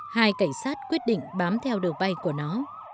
hai cảnh sát quyết định bám theo đường bay của nó